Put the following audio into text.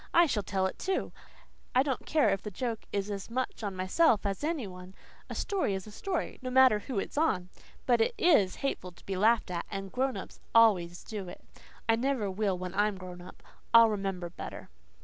"I shall tell it, too. I don't care if the joke is as much on myself as any one. A story is a story, no matter who it's on. But it IS hateful to be laughed at and grown ups always do it. I never will when I'm grown up. I'll remember better."